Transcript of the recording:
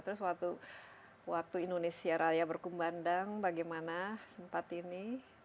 terus waktu indonesia raya berkumbandang bagaimana sempat ini